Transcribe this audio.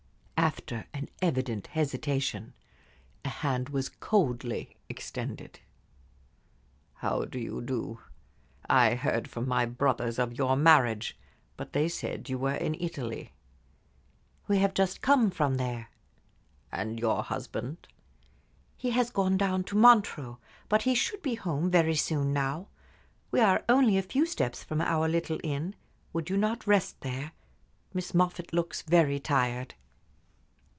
After an evident hesitation, a hand was coldly extended. "How do you do? I heard from my brothers of your marriage, but they said you were in Italy." "We have just come from there." "And your husband?" "He has gone down to Montreux, but he should be home very soon now. We are only a few steps from our little inn. Would you not rest there? Miss Moffatt looks very tired."